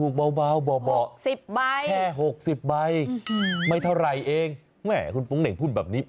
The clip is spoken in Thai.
แค่๖๐ใบไม่เท่าไหร่เองแม่คุณโป๊งเหน่งพูดแบบนี้